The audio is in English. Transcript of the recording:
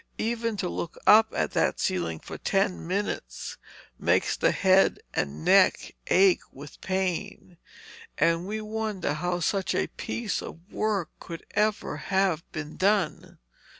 Even to look up at that ceiling for ten minutes makes the head and neck ache with pain, and we wonder how such a piece of work could ever have been done.